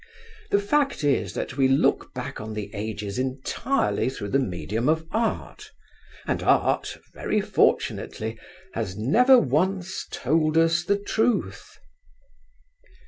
The fact is that we look back on the ages entirely through the medium of art, and art, very fortunately, has never once told us the truth.